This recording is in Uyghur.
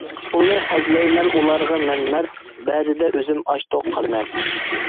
پۇلنى خەجلەيمەن ئۇلارغا مەن مەرد، بەزىدە ئۆزۈم ئاچ-توق قالىمەن.